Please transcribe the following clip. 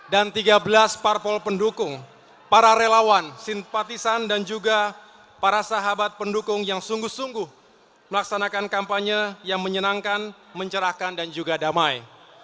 dan tiga belas parpol pendukung para relawan simpatisan dan juga para sahabat pendukung yang sungguh sungguh melaksanakan kampanye yang menyenangkan mencerahkan dan juga damai